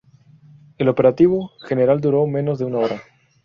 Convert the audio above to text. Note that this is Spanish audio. El operativo general duró menos de una hora.